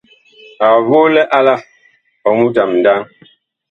Ag voo liala ɔɔ mut a mindaŋ.